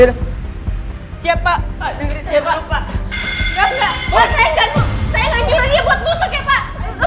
tapi saya ketakutan ak importantnya ini agar ada culugawa yang bermanfaat